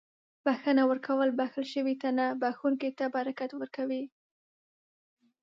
• بښنه ورکول بښل شوي ته نه، بښونکي ته برکت ورکوي.